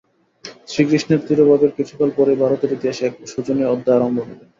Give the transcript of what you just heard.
শ্রীকৃষ্ণের তিরোভাবের কিছুকাল পরেই ভারতের ইতিহাসে এক শোচনীয় অধ্যায় আরম্ভ হইল।